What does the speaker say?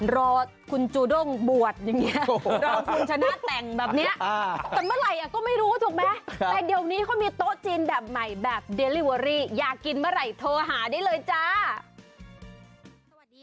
รอคุณจูด้งบวชอยังเงี้ยรอคุณชนะแต่งแบบเนี้ย